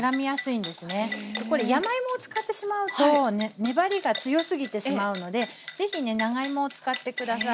これ山芋を使ってしまうと粘りが強すぎてしまうのでぜひね長芋を使って下さい。